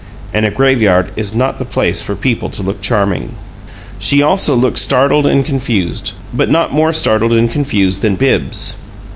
And a graveyard is not the place for people to look charming. She also looked startled and confused, but not more startled and confused than Bibbs.